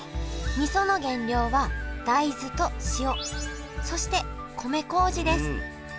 みその原料は大豆と塩そして米こうじです